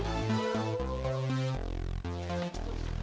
wah dia ganteng